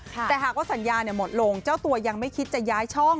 แต่หากว่าสัญญาหมดลงเจ้าตัวยังไม่คิดจะย้ายช่อง